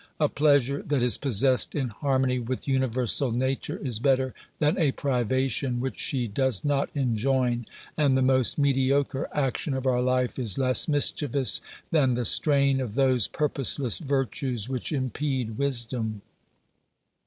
A pleasure that is possessed in harmony with universal Nature is better than a privation which she does not enjoin, and the most mediocre action of our life is less mischievous than the strain of those purposeless virtues which impede wisdom.